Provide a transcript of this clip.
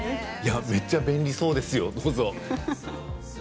めっちゃ便利そうですよ。